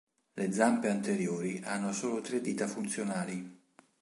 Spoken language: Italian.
Le zampe anteriori hanno solo tre dita funzionali.